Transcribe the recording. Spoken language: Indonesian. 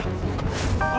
tidak ada apa apa